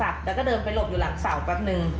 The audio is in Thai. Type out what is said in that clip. แล้วก็เดินไปหลบอยู่หลังเสาแป๊บนึง